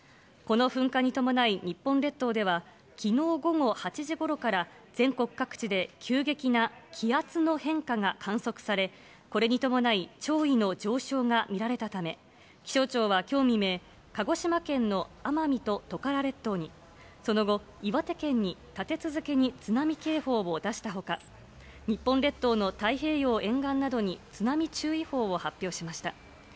この噴火に伴い、日本列島ではきのう午後８時ごろから、全国各地で急激な気圧の変化が観測され、これに伴い、潮位の上昇が見られたため、気象庁はきょう未明、鹿児島県の奄美とトカラ列島に、その後、岩手県に立て続けに津波警報を出したほか、日本列島の太平洋沿岸などに津波注意報を発表しました。